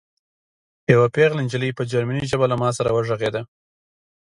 یوه پېغله نجلۍ په جرمني ژبه له ما سره وغږېده